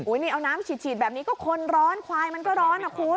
นี่เอาน้ำฉีดแบบนี้ก็คนร้อนควายมันก็ร้อนนะคุณ